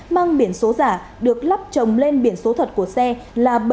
mang biển số giả được lắp trồng lên biển số thật của xe là bảy mươi bảy a một mươi hai nghìn chín trăm linh chín